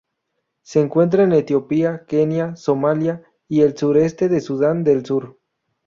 Se encuentra en Etiopía, Kenia, Somalia y el sureste de Sudán del Sur.